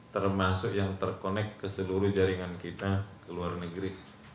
termasuk yang terkonek ke seluruh jaringan kita ke luar negeri